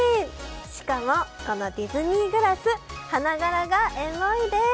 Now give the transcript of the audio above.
しかも、このディズニーグラス花柄がエモいです。